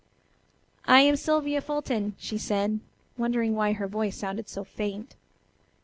"I am Sylvia Fulton," she said, wondering why her voice sounded so faint.